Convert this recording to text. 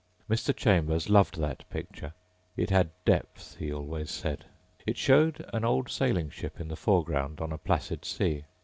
Mr. Chambers loved that picture. It had depth, he always said. It showed an old sailing ship in the foreground on a placid sea.